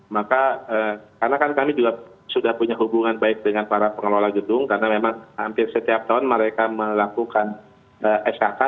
maka karena kan kami juga sudah punya hubungan baik dengan para pengelola gedung karena memang hampir setiap tahun mereka melakukan skk